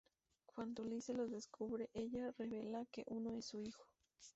Cuando "Ulisse" los descubre, ella revela que uno es su hijo.